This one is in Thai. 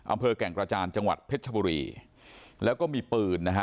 อำเภอแก่งกระจานจังหวัดเพชรชบุรีแล้วก็มีปืนนะฮะ